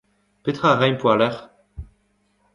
Petra a raimp war-lerc'h ?